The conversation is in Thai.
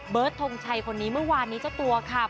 ทงชัยคนนี้เมื่อวานนี้เจ้าตัวค่ะ